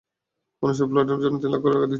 অন্য সব প্লটের জন্য তিন লাখ করে টাকা দিচ্ছে।